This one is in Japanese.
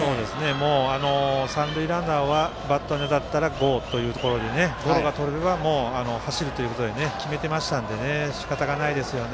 もう、三塁ランナーはバットに当たったらＧＯということでゴロがとれれば走るということを決めてたのでしかたがないですよね。